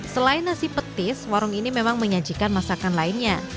selain nasi petis warung ini memang menyajikan masakan lainnya